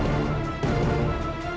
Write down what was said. aku akan buktikan